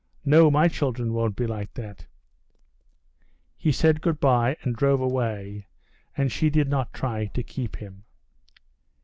No, my children won't be like that." He said good bye and drove away, and she did not try to keep him.